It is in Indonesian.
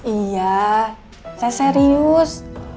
iya saya serius